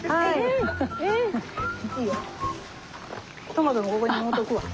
トマトもここに置いとくわ。